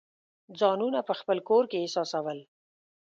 ځانونه په خپل کور کې احساسول.